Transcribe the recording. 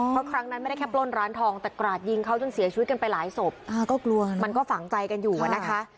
เพราะครั้งนั้นไม่ได้แค่ปล้นร้านทองแต่กราดยิงเขาจนเสียชีวิตกันไปหลายศพอ่าก็กลัวมันก็ฝังใจกันอยู่อะนะคะ